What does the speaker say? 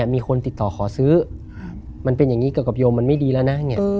มีคนติดต่อขอซื้อมันเป็นอย่างนี้เกี่ยวกับโยมมันไม่ดีแล้วนะ